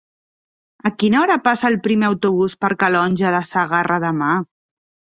A quina hora passa el primer autobús per Calonge de Segarra demà?